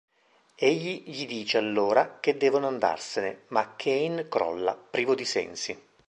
Egli gli dice allora che devono andarsene, ma Kane crolla, privo di sensi.